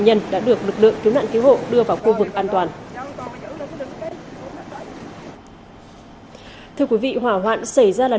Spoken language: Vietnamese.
nhân đã được lực lượng cứu nạn cứu hộ đưa vào khu vực an toàn thưa quý vị hỏa hoạn xảy ra là